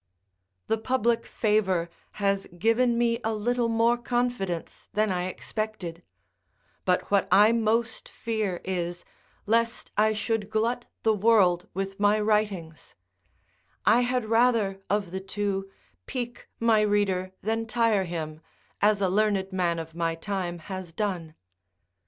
The public favour has given me a little more confidence than I expected; but what I 'most fear is, lest I should glut the world with my writings; I had rather, of the two, pique my reader than tire him, as a learned man of my time has done.